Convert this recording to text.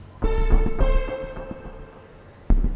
temukan orang orang yang menculik istri saya